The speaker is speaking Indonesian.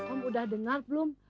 ibu kokom udah dengar belum